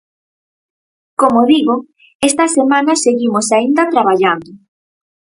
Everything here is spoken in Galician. Como digo, esta semana seguimos aínda traballando.